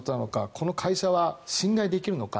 この会社は信頼できるのか。